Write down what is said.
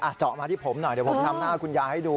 เจาะมาที่ผมหน่อยเดี๋ยวผมทำหน้าคุณยายให้ดู